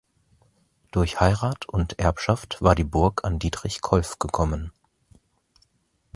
Durch Heirat und Erbschaft war die Burg an Dietrich Kolff gekommen.